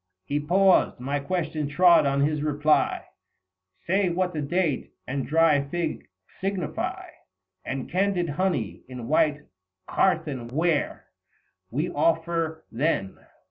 He paused — my question trod on his reply —" Say what the date and dry fig signify, And candid honey in white earthen ware 195 We offer then